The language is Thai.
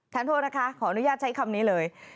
โทษนะคะขออนุญาตใช้คำนี้เลย